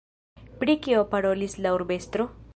Pri kio parolis la urbestro?